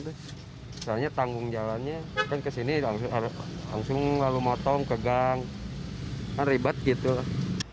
misalnya tanggung jalannya kan kesini langsung lalu motong ke gang kan ribet gitu lah